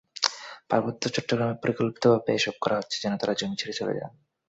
পার্বত্য চট্টগ্রামে পরিকল্পিতভাবে এসব করা হচ্ছে, যেন তাঁরা জমি ছেড়ে চলে যান।